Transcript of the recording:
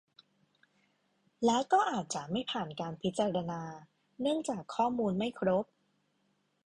และก็อาจจะไม่ผ่านการพิจารณาเนื่องจากข้อมูลไม่ครบ